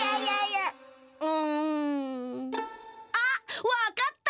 うん。あっわかった！